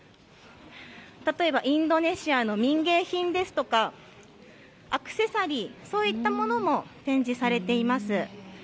例えば、インドネシアの民芸品ですとか、アクセサリー、そういったものも展示されています。